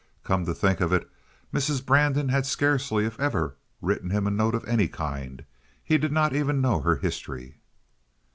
Come to think of it, Mrs. Brandon had scarcely if ever written him a note of any kind. He did not even know her history.